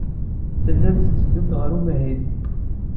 Tellamt tetteddumt ɣer umahil.